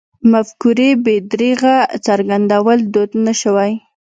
مفکورې بې درېغه څرګندول دود نه شوی.